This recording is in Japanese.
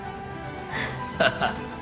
ハハハ。